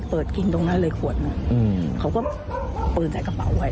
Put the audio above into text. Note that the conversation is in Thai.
กินตรงนั้นเลยขวดนึงเขาก็เปิดใส่กระเป๋าไป